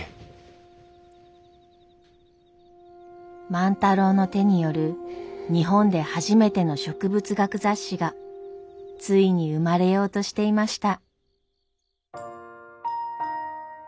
万太郎の手による日本で初めての植物学雑誌がついに生まれようとしていました。